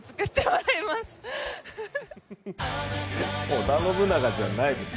織田信長じゃないです。